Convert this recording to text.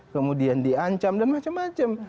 kemudian diancam dan macam macam